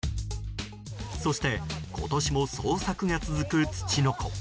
そして、今年も捜索が続くツチノコ。